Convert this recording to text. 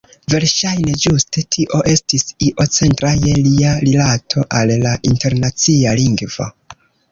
Verŝajne ĝuste tio estis io centra je lia rilato al la internacia lingvo.